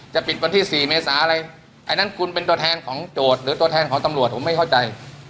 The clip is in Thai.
จะปิดวันที่๔เมษาอะไรอันนั้นคุณเป็นตัวแทนของโจทย์หรือตัวแทนของตำรวจผมไม่เข้าใจ